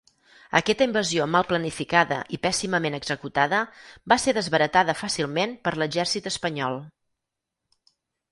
Aquesta invasió mal planificada i pèssimament executada, va ser desbaratada fàcilment per l'Exèrcit espanyol.